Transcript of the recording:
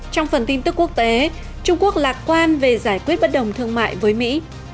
trong phần tin tức quốc tế trung quốc lạc quan về giải quyết bất đồng thương mại với mỹ